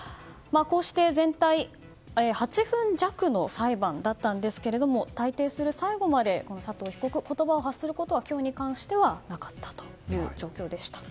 こうして全体、８分弱の裁判でしたが退廷する最後まで佐藤被告、言葉を発することは今日に関してはなかったという状況でした。